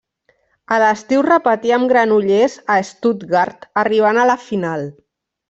A l'estiu repetí amb Granollers a Stuttgart arribant a la final.